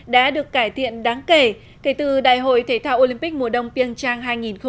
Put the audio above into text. đã được cải thiện đáng kể kể từ đại hội thể thao olympic mùa đông piêng trang hai nghìn một mươi chín